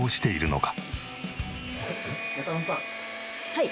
はい。